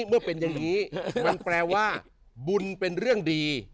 มันแปลว่าบุญเป็นเรื่องดี